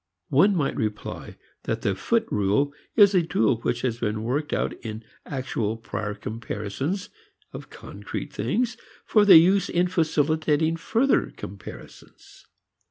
One might reply that the foot rule is a tool which has been worked out in actual prior comparisons of concrete things for use in facilitating further comparisons.